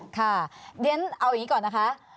ค่ะเรียนเอาอย่างนี้ก่อนนะคะ